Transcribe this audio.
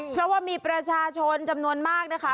เพราะว่ามีประชาชนจำนวนมากนะคะ